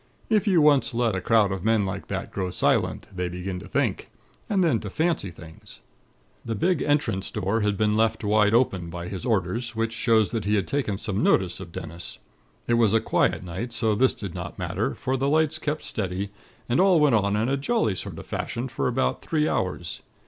If you once let a crowd of men like that grow silent, they begin to think, and then to fancy things. "The big entrance door had been left wide open, by his orders; which shows that he had taken some notice of Dennis. It was a quiet night, so this did not matter, for the lights kept steady, and all went on in a jolly sort of fashion for about three hours.